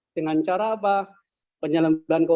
dengan cara apa